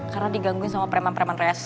karena digangguin sama preman preman rese